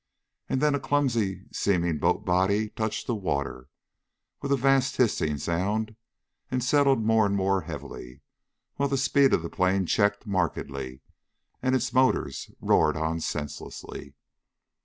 And then a clumsy seeming boat body touched water with a vast hissing sound, and settled more and more heavily, while the speed of the plane checked markedly and its motors roared on senselessly.